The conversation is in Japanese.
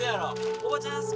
おばちゃん好きなん。